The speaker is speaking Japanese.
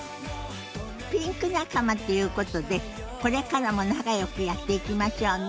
ピンク仲間っていうことでこれからも仲よくやっていきましょうね。